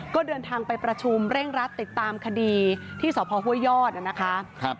ก็เดินทางไปประชุมเร่งรัดติดตามคดีที่สพห้วยยอดนะคะ